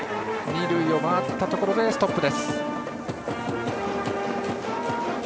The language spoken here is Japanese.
二塁を回ったところでストップ。